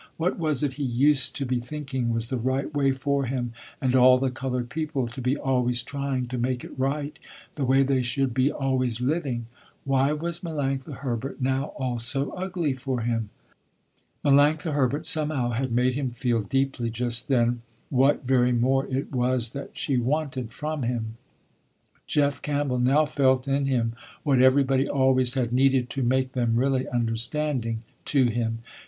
What was it he used to be thinking was the right way for him and all the colored people to be always trying to make it right, the way they should be always living? Why was Melanctha Herbert now all so ugly for him? Melanctha Herbert somehow had made him feel deeply just then, what very more it was that she wanted from him. Jeff Campbell now felt in him what everybody always had needed to make them really understanding, to him.